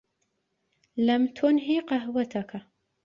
لم تنهِ قهوتك.